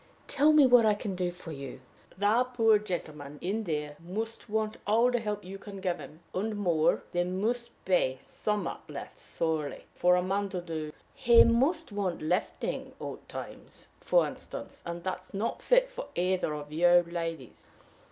Tell me what I can do for you." "The poor gentleman in there must want all the help you can give him, and more. There must be something left, surely, for a man to do. He must want lifting at times, for instance, and that's not fit for either of you ladies."